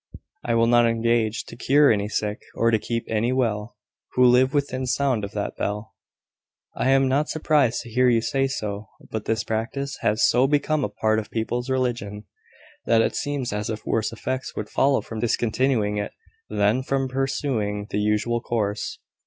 "I will not engage to cure any sick, or to keep any well, who live within sound of that bell." "I am not surprised to hear you say so. But this practice has so become a part of people's religion, that it seems as if worse effects would follow from discontinuing it than from pursuing the usual course.